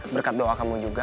berkat doa kamu juga